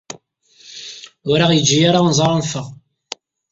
Ur aɣ-yeǧǧi ara unẓar ad neffeɣ.